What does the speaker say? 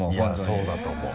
いやそうだと思う。